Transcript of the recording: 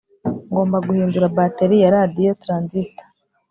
ngomba guhindura bateri ya radio transistor